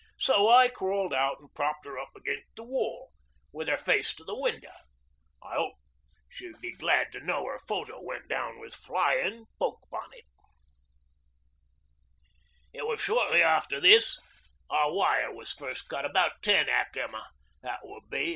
So I crawled out an' propped 'er up against the wall with 'er face to the window. I 'ope she'd be glad to know 'er photo went down with flyin' poke bonnet.' 'It was shortly after this our wire was first cut about ten ac emma [A.M.] that would be.